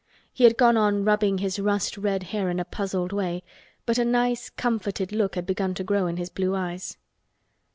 He had gone on rubbing his rust red hair in a puzzled way, but a nice comforted look had begun to grow in his blue eyes.